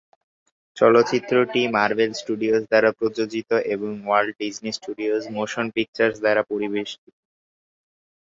চলচ্চিত্রটি Marvel Studios দ্বারা প্রযোজিত এবং Walt Disney Studios Motion Pictures দ্বারা পরিবেশিত।